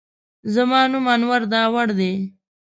زما نوم انور داوړ دی.